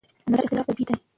د نظر اختلاف طبیعي دی.